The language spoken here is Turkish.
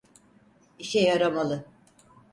İşe yaramalı.